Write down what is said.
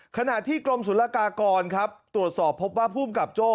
ขณะที่กรมศุลกากรครับตรวจสอบพบว่าภูมิกับโจ้